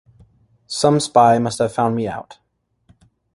Some spy must have found me out.